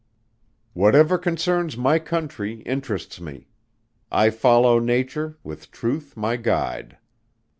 "_Whatever concerns my country, interests me; I follow nature, with truth my guide.